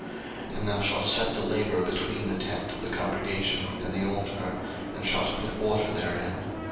02:040:007 And thou shalt set the laver between the tent of the congregation and the altar, and shalt put water therein.